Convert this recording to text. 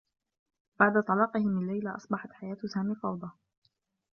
بعد طلاقه من ليلى، اصبحت حياة سامي فوضى.